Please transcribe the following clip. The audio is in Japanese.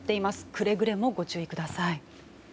くれぐれもご注意ください。